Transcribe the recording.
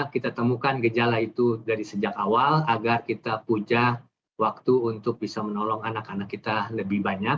kita temukan gejala itu dari sejak awal agar kita puja waktu untuk bisa menolong anak anak kita lebih banyak